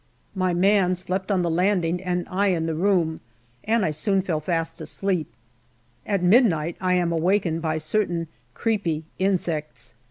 My man slept on the landing and I in the room, and I 218 SEPTEMBER 219 soon fell fast asleep. At midnight I am awakened by certain creepy insects.